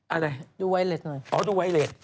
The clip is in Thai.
อะไรดูไวเลสหน่อยเป็นอะไร